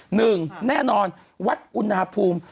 หนึ่งแน่นอนวัดอุณหภูมิ